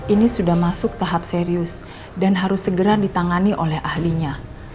ini sudah masuk tahap serius dan harus segera ditangani oleh ahlinya